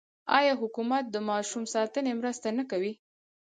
آیا حکومت د ماشوم ساتنې مرسته نه کوي؟